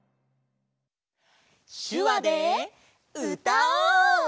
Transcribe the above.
しゅわでうたおう！